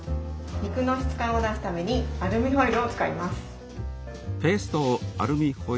肉の質感を出すためにアルミホイルを使います。